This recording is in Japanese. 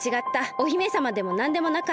お姫さまでもなんでもなかった。